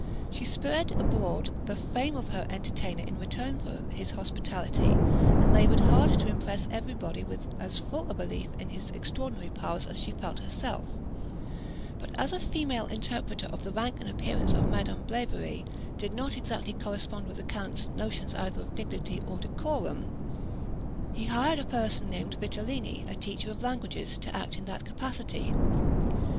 She spread abroad the fame of her entertainer in return for his hospitality, and laboured hard to impress every body with as full a belief in his extraordinary powers as she felt herself; but as a female interpreter of the rank and appearance of Madame Blavary did not exactly correspond with the count's notions either of dignity or decorum, he hired a person named Vitellini, a teacher of languages, to act in that capacity.